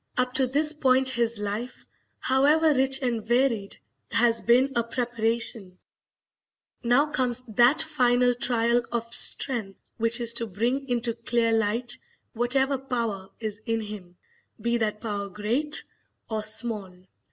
Up to this point his life, however rich and varied, has been a preparation; now comes that final trial of strength which is to bring into clear light whatever power is in him, be that power great or small.